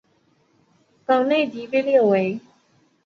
港内的被列为。